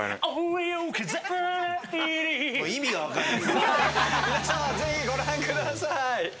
皆様、ぜひご覧ください。